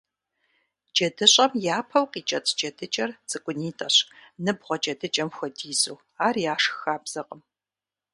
Джэдыщӏэм япэу къикӏэцӏ джэдыкӏэр цӏыкӏунитӏэщ, ныбгъуэ джэдыкӏэм хуэдизу, ар яшх хабзэкъым.